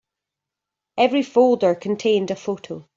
Every folder contained a photo.